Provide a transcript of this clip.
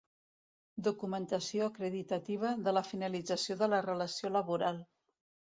Documentació acreditativa de la finalització de la relació laboral.